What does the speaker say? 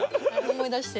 思い出して。